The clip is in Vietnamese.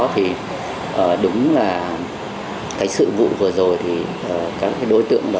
thì đúng là cái sự vụ vừa rồi thì các cái đối tượng đó